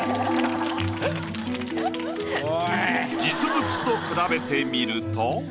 実物と比べてみると。